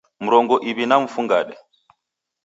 Mrongo iw'i na mfungade